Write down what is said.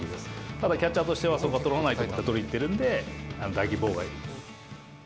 ただ、キャッチャーとしては、そこは振れないと思って、捕りにいってるんで、打撃妨害になる。